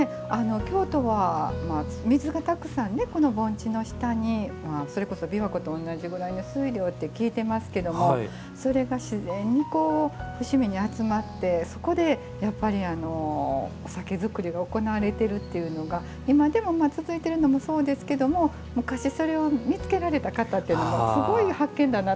京都は水がたくさんねこの盆地の下にそれこそ琵琶湖と同じぐらいの水量って聞いてますけどもそれが自然に伏見に集まってそこでやっぱりお酒造りが行われてるっていうのが今でも続いてるのもそうですけども昔それを見つけられた方っていうのもすごい発見だなと思いますね。